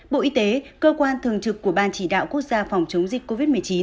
bộ y tế cơ quan thường trực của ban chỉ đạo quốc gia phòng chống dịch covid một mươi chín